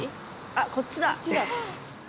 あっこっちだ。